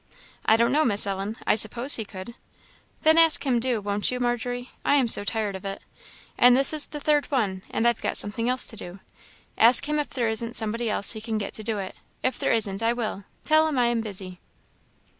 "I don't know, Miss Ellen; I suppose he could." "Then ask him, do; won't you, Margery? I'm so tired of it! and this is the third one; and I've got something else to do. Ask him if there isn't somebody else he can get to do it; if there isn't, I will; tell him I am busy."